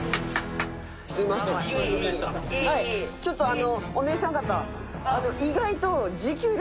ちょっとあのお姉さん方。